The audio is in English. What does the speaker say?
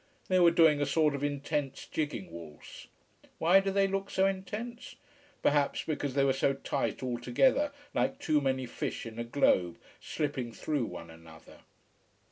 They were doing a sort of intense jigging waltz. Why do they look so intense? Perhaps because they were so tight all together, like too many fish in a globe slipping through one another.